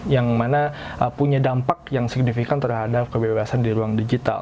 yang mana punya dampak yang signifikan terhadap kebebasan di ruang digital